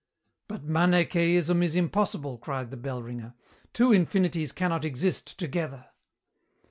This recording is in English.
"But Manicheism is impossible!" cried the bell ringer. "Two infinities cannot exist together."